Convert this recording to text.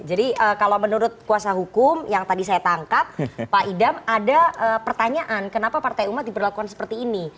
jadi kalau menurut kuasa hukum yang tadi saya tangkap pak idam ada pertanyaan kenapa partai umat diperlakukan seperti ini